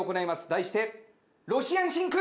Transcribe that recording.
題してロシアンシンク。